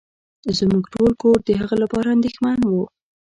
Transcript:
زمونږ ټول کور د هغه لپاره انديښمن وه.